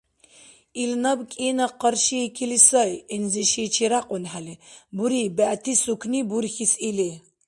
Ил наб кӀина къаршиикили сай, гӀинзи шичи рякьунхӀели. Буриб, бегӀти сукни бурхьис или.